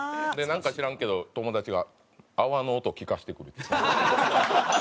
なんか知らんけど友達が泡の音聞かせてくるっていう。